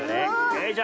よいしょ。